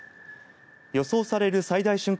予想される最大瞬間